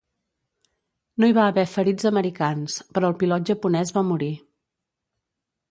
No hi va haver ferits americans, però el pilot japonès va morir.